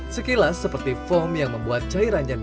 sekilas seperti foam yang membuat cairan jantung